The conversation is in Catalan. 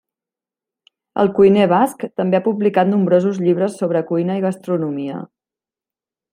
El cuiner basc també ha publicat nombrosos llibres sobre cuina i gastronomia.